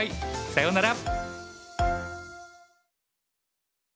さようなら。